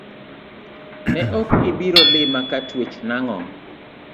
Ne ok ibiro lima katuech nango?